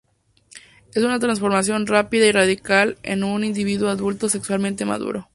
Es una transformación rápida y radical en un individuo adulto sexualmente maduro.